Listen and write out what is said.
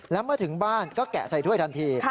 แล้วเมื่อถึงบ้านก็แกะใส่ถ้วยทันที